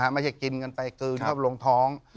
ไม่ใช่กินกันไปกลืนเข้าลงท้อง